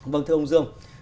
vâng thưa ông dương